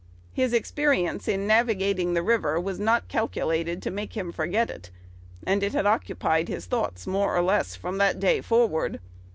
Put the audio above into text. His experience in navigating the river was not calculated to make him forget it, and it had occupied his thoughts more or less from that day forward.